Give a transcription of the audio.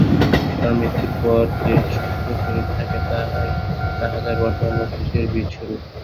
কারণ মৃত্যুর পর যে সূক্ষ্ম শরীর থাকে, তাহাই তাঁহাদের বর্তমান মস্তিষ্কের বীজস্বরূপ।